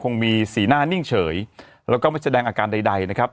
คงมีสีหน้านิ่งเฉยแล้วก็ไม่แสดงอาการใดนะครับ